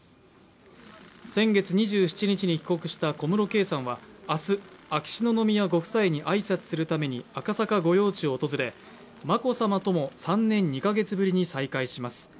先月２７日に帰国した小室圭さんは、明日、秋篠宮ご夫妻に挨拶するために赤坂御用地訪れ眞子さまとも３年２カ月ぶりに再会します。